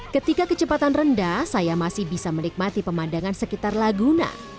ketika kecepatan rendah saya masih bisa menikmati pemandangan sekitar laguna